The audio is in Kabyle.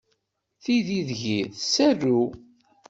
Tiddi deg-i tserru.